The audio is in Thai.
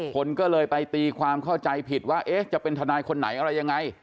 คนก็เลยไปตีความเข้าใจผิดว่าเอ๊ะจะเป็นทนายคนไหนอะไรยังไง